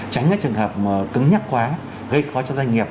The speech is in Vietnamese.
tránh các trường hợp cứng nhắc quá gây có cho doanh nghiệp